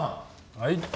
はい。